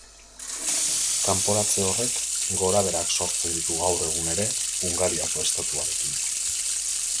Kanporatze horrek gorabeherak sortzen ditu, gaur egun ere, Hungariako estatuarekin.